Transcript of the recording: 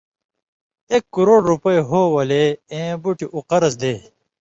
ایک کُروڑ رُوپئ ہوں ولے ایں بُٹیۡ اُو قرض دے،